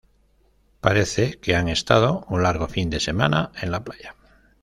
Parece que han estado un largo fin de semana en la playa